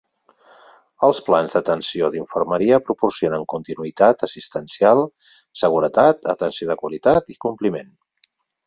Els plans d'atenció d'infermeria proporcionen continuïtat assistencial, seguretat, atenció de qualitat i compliment.